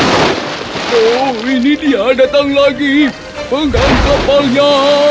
oh ini dia datang lagi penggang kapalnya